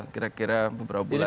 kira kira beberapa bulan